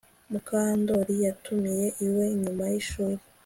Mukandoli yantumiye iwe nyuma yishuri